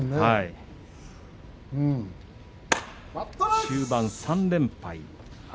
中盤３連敗。